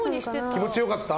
気持ちよかった？